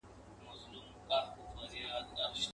چي ته مي غاړه پرې کوې زور پر چاړه تېرېږي.